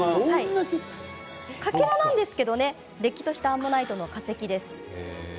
かけらなんですがれっきとしたアンモナイトの化石です。